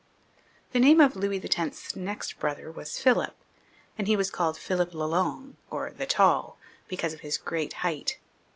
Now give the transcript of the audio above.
The name of Louis X/s next brother was PhiUp, and he was called Philip 1$ Long, or the Tall, because of his great height.